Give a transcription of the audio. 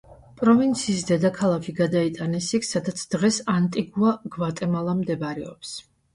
პროვინციის დედაქალაქი გადაიტანეს იქ, სადაც დღეს ანტიგუა-გვატემალა მდებარეობს.